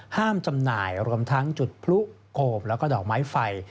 ห้ามจำหน่ายรวมทั้งจุดพลุกโกบและดอกไม้ไฟ